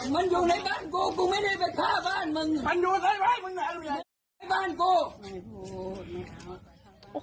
มันอยู่ในบ้านกู